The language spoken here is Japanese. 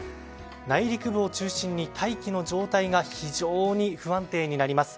内陸部を中心に大気の状態が非常に不安定になります。